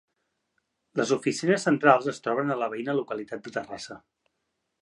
Les oficines centrals es troben a la veïna localitat de Terrassa.